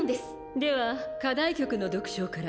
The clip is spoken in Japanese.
では課題曲の独唱から。